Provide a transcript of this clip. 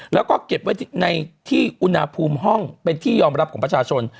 แล้วก็เก็บไว้ในที่อุณหภูมิห้องเป็นที่ยอมรับของประชาชน